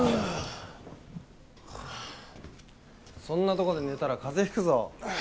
そんなとこで寝たら風邪ひくぞ。